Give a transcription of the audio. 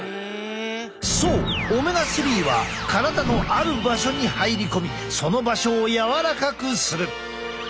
そうオメガ３は体のある場所に入り込みその場所を柔らかくする。